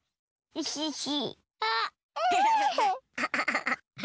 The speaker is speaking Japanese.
イシシ。